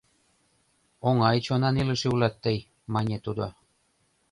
— Оҥай чонан илыше улат тый, — мане тудо.